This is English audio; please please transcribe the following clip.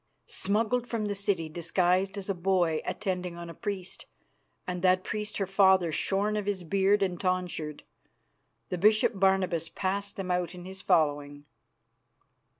"Smuggled from the city disguised as a boy attending on a priest, and that priest her father shorn of his beard and tonsured. The Bishop Barnabas passed them out in his following."